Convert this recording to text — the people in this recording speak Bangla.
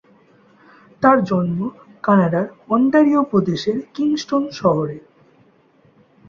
তাঁর জন্ম কানাডার অন্টারিও প্রদেশের কিংস্টন শহরে।